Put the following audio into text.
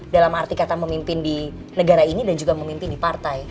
dalam arti kata memimpin di negara ini dan juga memimpin di partai